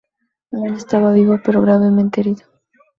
Aún estaba vivo, pero gravemente herido.